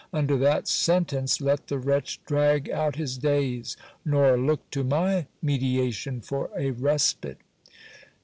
Under that sentence let the wretch drag out his days, nor look to my mediation for a respite.